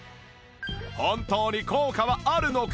本当に効果はあるのか？